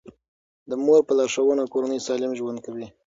د مور په لارښوونه کورنۍ سالم ژوند کوي.